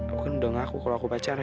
aku kan udah ngaku kalo aku pacar ya